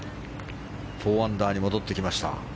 ４アンダーに戻ってきました。